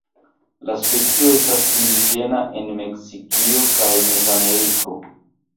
La specio estas indiĝena en Meksikio kaj Mezameriko.